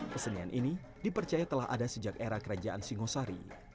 kesenian ini dipercaya telah ada sejak era kerajaan singosari